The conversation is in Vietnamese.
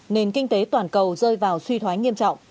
nền kinh tế toàn cầu rơi vào suy thoái nghiêm trọng